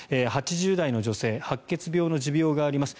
８０代の女性白血病の持病があります。